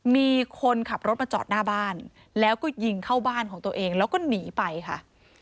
มีคนขับรถมาจอดหน้าบ้านแล้วก็ยิงเข้าบ้านของตัวเองแล้วก็หนีไปค่ะ